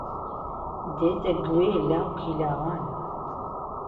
دێتە گوێ لاوکی لاوان